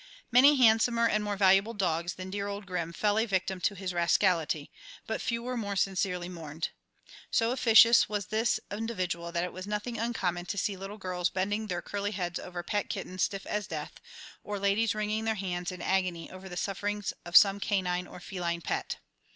Many handsomer and more valuable dogs than dear old Grim fell a victim to his rascality, but few were more sincerely mourned. So officious was this individual that it was nothing uncommon to see little girls bending their curly heads over pet kittens stiff as death, or ladies wringing their hands in agony over the sufferings of some canine or feline pet.